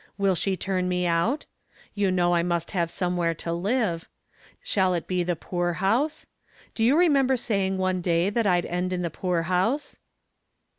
Will she turn me out? You know I must have somewhere to live. Shall it be the poorhouse? Do you remember saying one day that I'd end in the poorhouse?"